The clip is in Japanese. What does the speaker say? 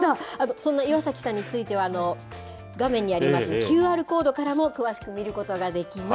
そんな岩崎さんについては、画面にありますＱＲコードからも、詳しく見ることができます。